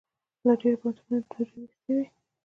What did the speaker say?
له ډېرو پوهنتونو یې دوړې ویستې وې.